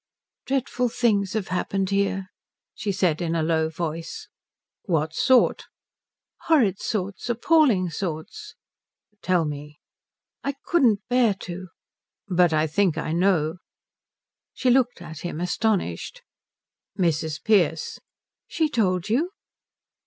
"Dreadful things have happened here," she said in a low voice. "What sort?" "Horrid sorts. Appalling sorts." "Tell me." "I couldn't bear to." "But I think I know." She looked at him astonished. "Mrs. Pearce " "She told you?"